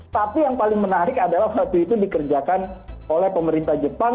tapi yang paling menarik adalah waktu itu dikerjakan oleh pemerintah jepang